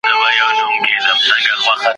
د پردیو په کمال ګوري جهان ته !.